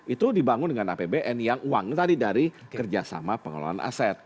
itu dibangun dengan apbn yang uangnya tadi dari kerjasama pengelolaan aset